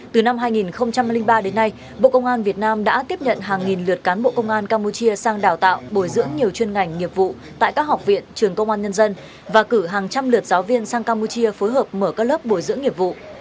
từ năm hai nghìn ba đến nay bộ công an việt nam đã tiếp nhận hàng nghìn lượt cán bộ công an campuchia sang đào tạo bồi dưỡng nhiều chuyên ngành nghiệp vụ tại các học viện trường công an nhân dân và cử hàng trăm lượt giáo viên sang campuchia phối hợp mở các lớp bồi dưỡng nghiệp vụ